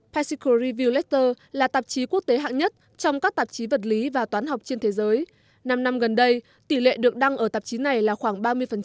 pacicleviewlexter là tạp chí quốc tế hạng nhất trong các tạp chí vật lý và toán học trên thế giới năm năm gần đây tỷ lệ được đăng ở tạp chí này là khoảng ba mươi